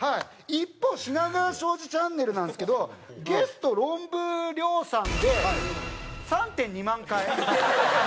一方品川庄司チャンネルなんですけどゲストロンブー亮さんで３．２万回。